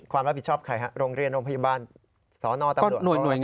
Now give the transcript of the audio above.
ความรับผิดชอบใครฮะโรงเรียนโรงพยาบาลสนตำรวจ